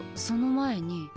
その前に。